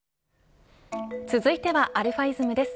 続いてはαｉｓｍです。